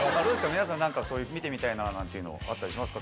皆さん見てみたいななんていうのあったりしますか？